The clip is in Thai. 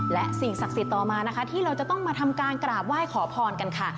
และสิ่งศักดิ์สิทธิ์ต่อมานะคะที่เราจะต้องมาทำการกราบไหว้ขอพรกันค่ะ